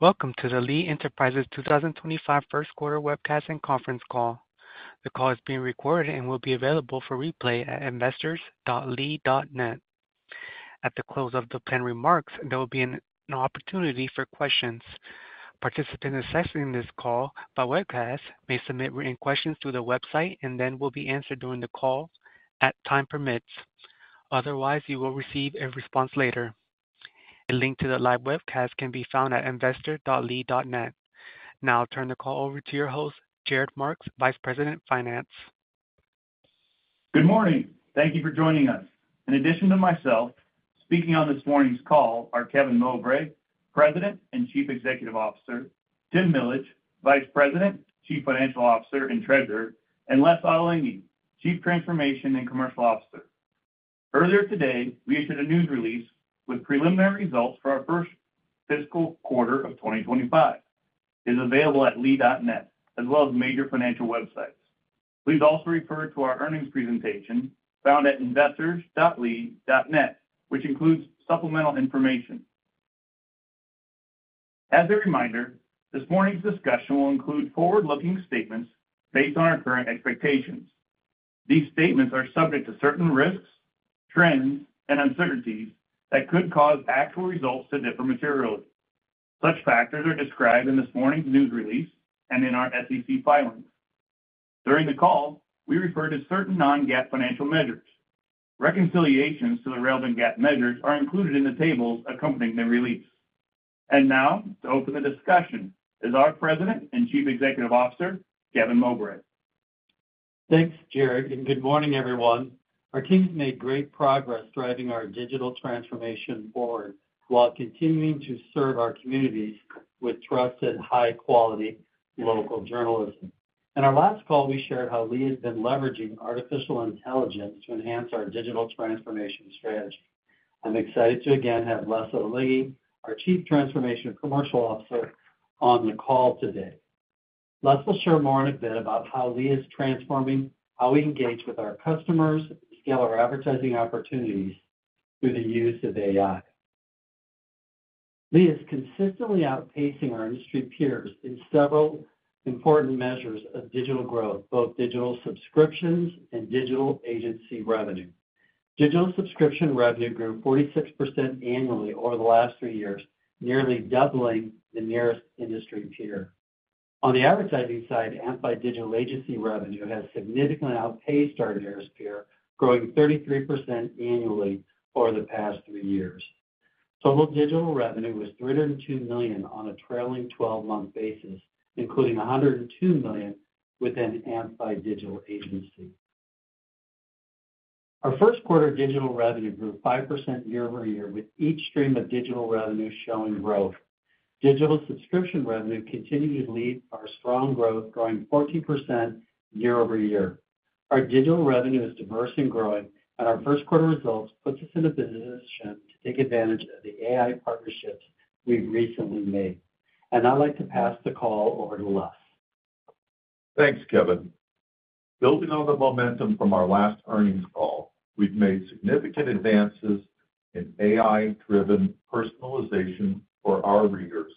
Welcome to the Lee Enterprises 2025 Q1 Webcast and Conference Call. The call is being recorded and will be available for replay at investors.lee.net. At the close of the planned remarks, there will be an opportunity for questions. Participants accessing this call by webcast may submit written questions through the website and they will be answered during the call as time permits. Otherwise, you will receive a response later. A link to the live webcast can be found at investors.lee.net. Now I'll turn the call over to your host, Jared Marks, Vice President, Finance. Good morning. Thank you for joining us. In addition to myself, speaking on this morning's call are Kevin Mowbray, President and Chief Executive Officer, Tim Millage, Vice President, Chief Financial Officer and Treasurer, and Les Ottolenghi, Chief Transformation and Commercial Officer. Earlier today, we issued a news release with preliminary results for our first fiscal quarter of 2025. It is available at lee.net, as well as major financial websites. Please also refer to our earnings presentation found at investors.lee.net, which includes supplemental information. As a reminder, this morning's discussion will include forward-looking statements based on our current expectations. These statements are subject to certain risks, trends, and uncertainties that could cause actual results to differ materially. Such factors are described in this morning's news release and in our SEC filings. During the call, we refer to certain non-GAAP financial measures. Reconciliations to the relevant GAAP measures are included in the tables accompanying the release. To open the discussion is our President and Chief Executive Officer, Kevin Mowbray. Thanks, Jared, and good morning, everyone. Our team has made great progress driving our digital transformation forward while continuing to serve our communities with trusted high-quality local journalism. In our last call, we shared how Lee has been leveraging artificial intelligence to enhance our digital transformation strategy. I'm excited to again have Les Ottolenghi, our Chief Transformation and Commercial Officer, on the call today. Les will share more in a bit about how Lee is transforming how we engage with our customers and scale our advertising opportunities through the use of AI. Lee is consistently outpacing our industry peers in several important measures of digital growth, both digital subscriptions and digital agency revenue. Digital subscription revenue grew 46% annually over the last three years, nearly doubling the nearest industry peer. On the advertising side, Amplified Digital agency revenue has significantly outpaced our nearest peer, growing 33% annually over the past three years. Total digital revenue was $302 million on a trailing 12-month basis, including $102 million within Amplified Digital agency. Our Q1 digital revenue grew 5% year-over-year, with each stream of digital revenue showing growth. Digital subscription revenue continued to lead our strong growth, growing 14% year-over-year. Our digital revenue is diverse and growing, and our Q1 results put us in a position to take advantage of the AI partnerships we have recently made. I would like to pass the call over to Les. Thanks, Kevin. Building on the momentum from our last earnings call, we've made significant advances in AI-driven personalization for our readers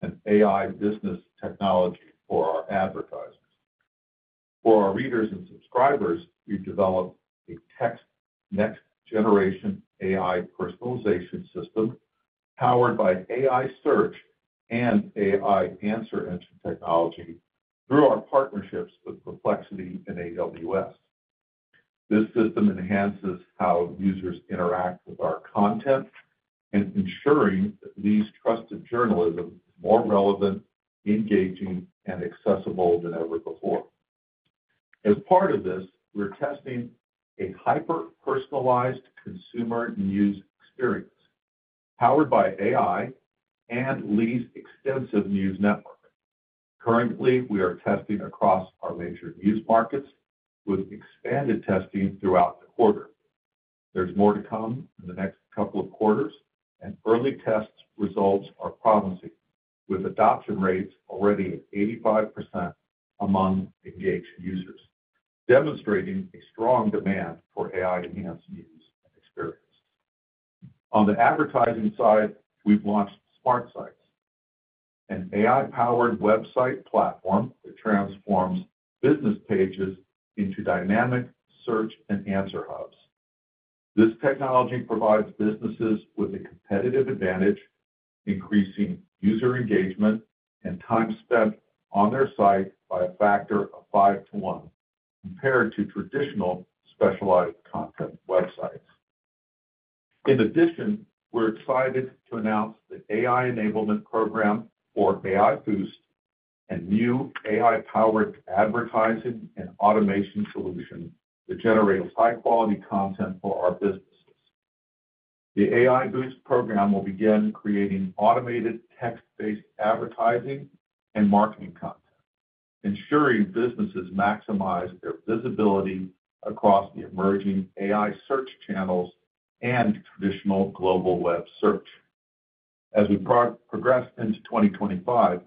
and AI business technology for our advertisers. For our readers and subscribers, we've developed a next-generation AI personalization system powered by AI search and AI answer engine technology through our partnerships with Perplexity and AWS. This system enhances how users interact with our content and ensures that Lee's trusted journalism is more relevant, engaging, and accessible than ever before. As part of this, we're testing a hyper-personalized consumer news experience powered by AI and Lee's extensive news network. Currently, we are testing across our major news markets with expanded testing throughout the quarter. There's more to come in the next couple of quarters, and early test results are promising, with adoption rates already at 85% among engaged users, demonstrating a strong demand for AI-enhanced news experiences. On the advertising side, we've launched SmartSites, an AI-powered website platform that transforms business pages into dynamic search and answer hubs. This technology provides businesses with a competitive advantage, increasing user engagement and time spent on their site by a factor of five to one compared to traditional specialized content websites. In addition, we're excited to announce the AI Enablement Program for AI Boost and new AI-powered advertising and automation solutions that generate high-quality content for our businesses. The AI Boost program will begin creating automated text-based advertising and marketing content, ensuring businesses maximize their visibility across the emerging AI search channels and traditional global web search. As we progress into 2025,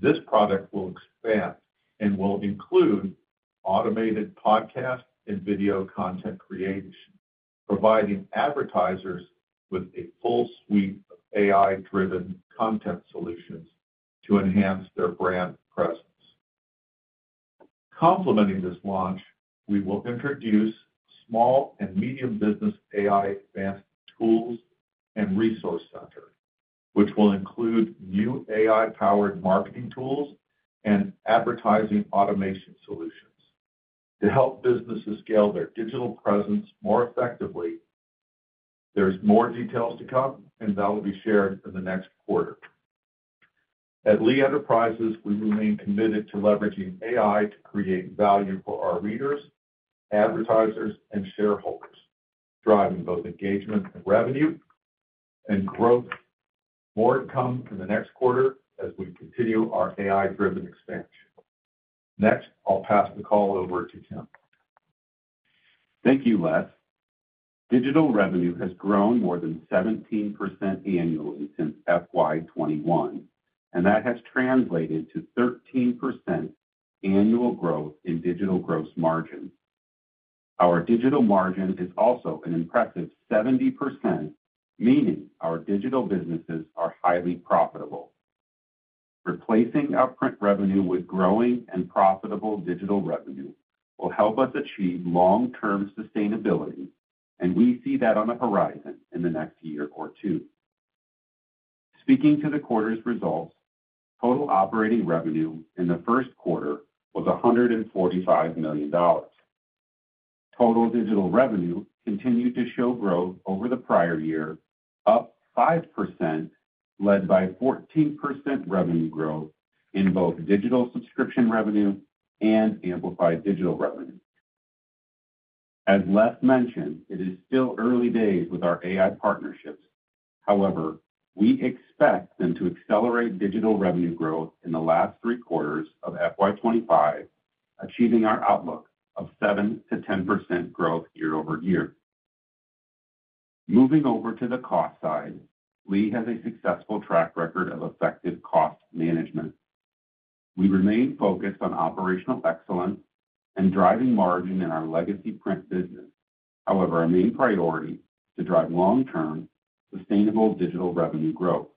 this product will expand and will include automated podcast and video content creation, providing advertisers with a full suite of AI-driven content solutions to enhance their brand presence. Complementing this launch, we will introduce Small and Medium Business AI Advanced Tools and Resource Center, which will include new AI-powered marketing tools and advertising automation solutions to help businesses scale their digital presence more effectively. There are more details to come, and that will be shared in the next quarter. At Lee Enterprises, we remain committed to leveraging AI to create value for our readers, advertisers, and shareholders, driving both engagement and revenue and growth. More to come in the next quarter as we continue our AI-driven expansion. Next, I'll pass the call over to Tim. Thank you, Les. Digital revenue has grown more than 17% annually since FY2021, and that has translated to 13% annual growth in digital gross margins. Our digital margin is also an impressive 70%, meaning our digital businesses are highly profitable. Replacing upfront revenue with growing and profitable digital revenue will help us achieve long-term sustainability, and we see that on the horizon in the next year or two. Speaking to the quarter's results, total operating revenue in the Q1 was $145 million. Total digital revenue continued to show growth over the prior year, up 5%, led by 14% revenue growth in both digital subscription revenue and Amplified Digital revenue. As Les mentioned, it is still early days with our AI partnerships. However, we expect them to accelerate digital revenue growth in the last three quarters of FY2025, achieving our outlook of 7%-10% growth year-over-year. Moving over to the cost side, Lee has a successful track record of effective cost management. We remain focused on operational excellence and driving margin in our legacy print business. However, our main priority is to drive long-term sustainable digital revenue growth.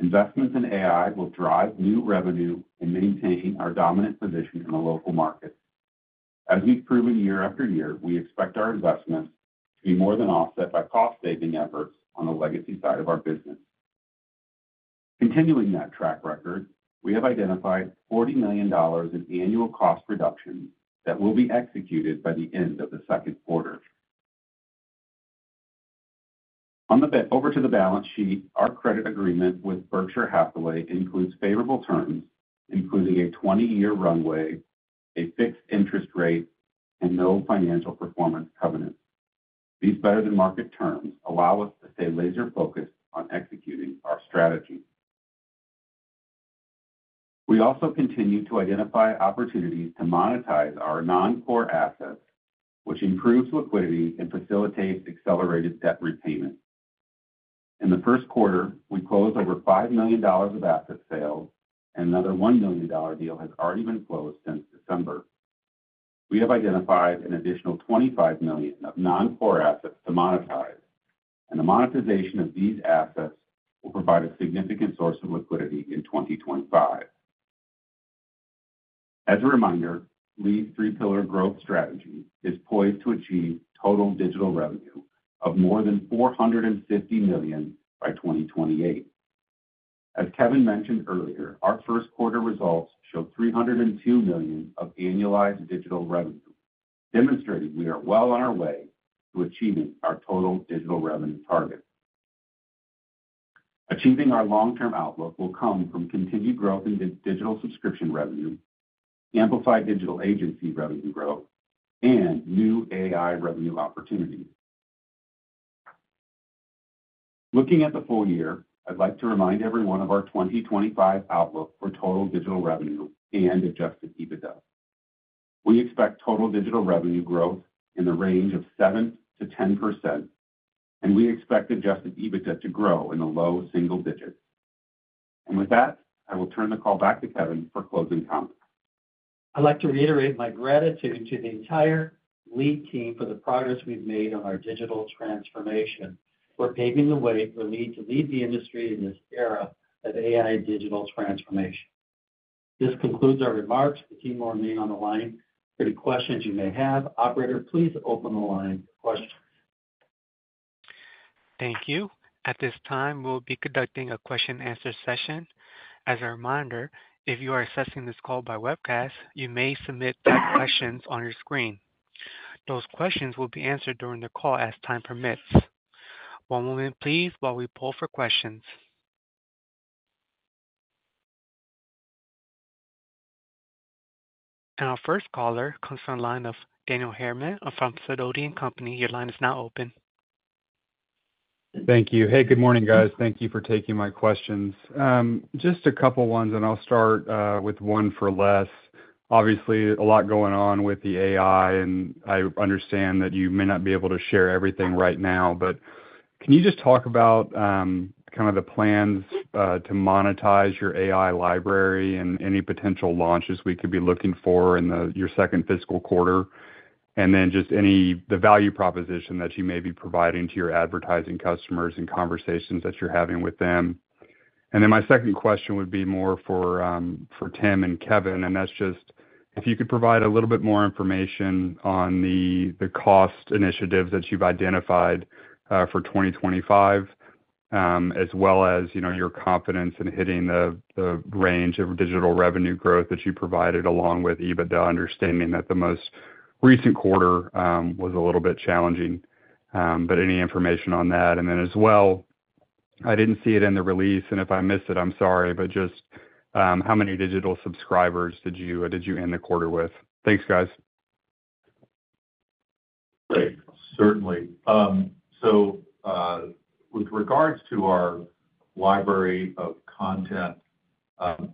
Investments in AI will drive new revenue and maintain our dominant position in the local markets. As we've proven year after year, we expect our investments to be more than offset by cost-saving efforts on the legacy side of our business. Continuing that track record, we have identified $40 million in annual cost reductions that will be executed by the end of the Q2. On the over to the balance sheet, our credit agreement with Berkshire Hathaway includes favorable terms, including a 20-year runway, a fixed interest rate, and no financial performance covenants. These better-than-market terms allow us to stay laser-focused on executing our strategy. We also continue to identify opportunities to monetize our non-core assets, which improves liquidity and facilitates accelerated debt repayment. In the Q1, we closed over $5 million of asset sales, and another $1 million deal has already been closed since December. We have identified an additional $25 million of non-core assets to monetize, and the monetization of these assets will provide a significant source of liquidity in 2025. As a reminder, Lee's three-pillar growth strategy is poised to achieve total digital revenue of more than $450 million by 2028. As Kevin mentioned earlier, our Q1 results show $302 million of annualized digital revenue, demonstrating we are well on our way to achieving our total digital revenue target. Achieving our long-term outlook will come from continued growth in digital subscription revenue, amplified digital agency revenue growth, and new AI revenue opportunities. Looking at the full year, I'd like to remind everyone of our 2025 outlook for total digital revenue and adjusted EBITDA. We expect total digital revenue growth in the range of 7%-10%, and we expect adjusted EBITDA to grow in the low single digits. With that, I will turn the call back to Kevin for closing comments. I'd like to reiterate my gratitude to the entire Lee team for the progress we've made on our digital transformation. We're paving the way for Lee to lead the industry in this era of AI digital transformation. This concludes our remarks. The team will remain on the line for any questions you may have. Operator, please open the line for questions. Thank you. At this time, we'll be conducting a question-and-answer session. As a reminder, if you are accessing this call by webcast, you may submit questions on your screen. Those questions will be answered during the call as time permits. One moment, please, while we poll for questions. Our first caller comes from the line of Daniel Harriman from Sidoti & Company. Your line is now open. Thank you. Hey, good morning, guys. Thank you for taking my questions. Just a couple of ones, and I'll start with one for Les. Obviously, a lot going on with the AI, and I understand that you may not be able to share everything right now, but can you just talk about kind of the plans to monetize your AI library and any potential launches we could be looking for in your second fiscal quarter? Then just the value proposition that you may be providing to your advertising customers and conversations that you're having with them. My second question would be more for Tim and Kevin, and that's just if you could provide a little bit more information on the cost initiatives that you've identified for 2025, as well as your confidence in hitting the range of digital revenue growth that you provided along with EBITDA, understanding that the most recent quarter was a little bit challenging. Any information on that? I didn't see it in the release, and if I missed it, I'm sorry, but just how many digital subscribers did you end the quarter with? Thanks, guys. Great. Certainly. With regards to our library of content,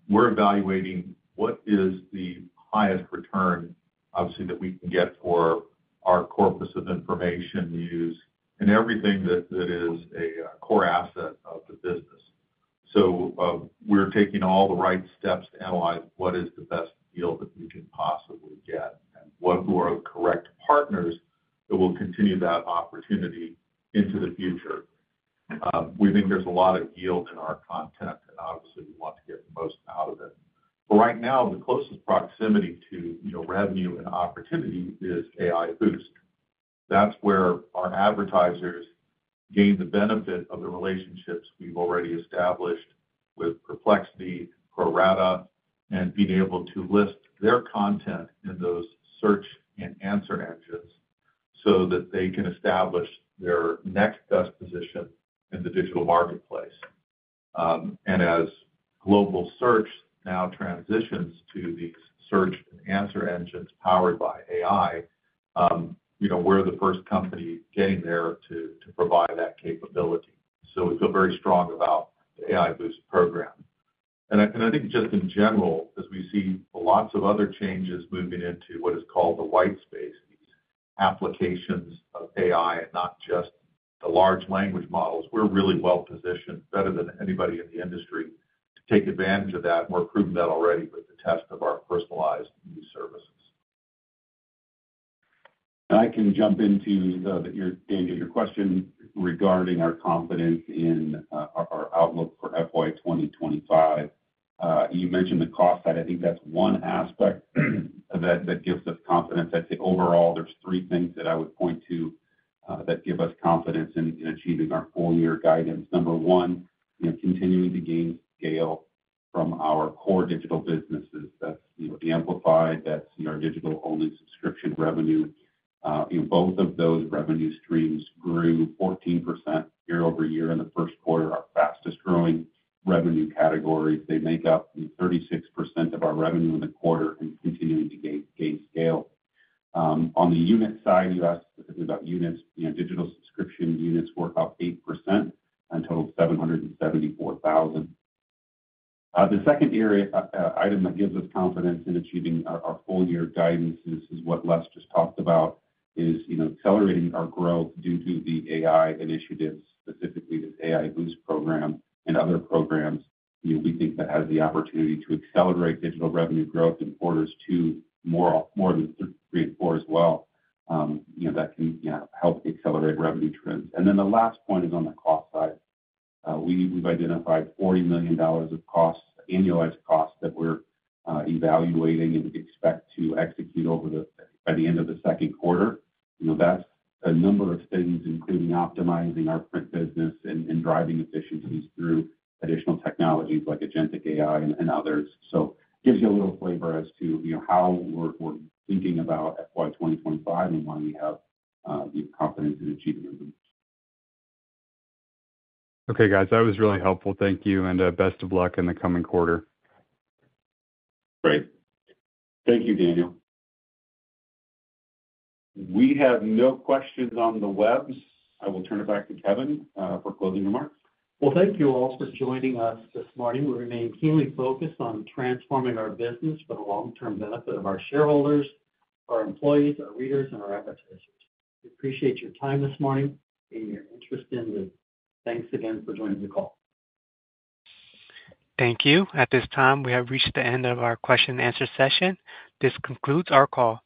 we're evaluating what is the highest return, obviously, that we can get for our corpus of information, news, and everything that is a core asset of the business. We're taking all the right steps to analyze what is the best deal that we can possibly get and who are the correct partners that will continue that opportunity into the future. We think there's a lot of yield in our content, and obviously, we want to get the most out of it. Right now, the closest proximity to revenue and opportunity is AI Boost. That's where our advertisers gain the benefit of the relationships we've already established with Perplexity, ProRata.ai, and being able to list their content in those search and answer engines so that they can establish their next best position in the digital marketplace. As global search now transitions to these search and answer engines powered by AI, we're the first company getting there to provide that capability. We feel very strong about the AI Boost program. I think just in general, as we see lots of other changes moving into what is called the white space, these applications of AI and not just the large language models, we're really well positioned, better than anybody in the industry, to take advantage of that. We're proving that already with the test of our personalized news services. I can jump into your question regarding our confidence in our outlook for FY2025. You mentioned the cost side. I think that's one aspect that gives us confidence. I'd say overall, there's three things that I would point to that give us confidence in achieving our full-year guidance. Number one, continuing to gain scale from our core digital businesses. That's the Amplified Digital, that's our digital-only subscription revenue. Both of those revenue streams grew 14% year-over-year in the Q1, our fastest-growing revenue categories. They make up 36% of our revenue in the quarter and continuing to gain scale. On the unit side, you asked specifically about units. Digital subscription units were up 8% and totaled 774,000. The second item that gives us confidence in achieving our full-year guidance is what Les just talked about, accelerating our growth due to the AI initiatives, specifically this AI Boost program and other programs. We think that has the opportunity to accelerate digital revenue growth in quarters two, more than three and four as well. That can help accelerate revenue trends. The last point is on the cost side. We've identified $40 million of annualized costs that we're evaluating and expect to execute by the end of the Q2. That's a number of things, including optimizing our print business and driving efficiencies through additional technologies like agentic AI and others. It gives you a little flavor as to how we're thinking about FY2025 and why we have confidence in achieving them. Okay, guys. That was really helpful. Thank you. Best of luck in the coming quarter. Great. Thank you, Daniel. We have no questions on the web. I will turn it back to Kevin for closing remarks. Thank you all for joining us this morning. We remain keenly focused on transforming our business for the long-term benefit of our shareholders, our employees, our readers, and our advertisers. We appreciate your time this morning and your interest in the company. Thanks again for joining the call. Thank you. At this time, we have reached the end of our question-and-answer session. This concludes our call.